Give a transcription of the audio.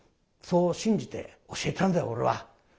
そう信じて教えたんだよ俺は。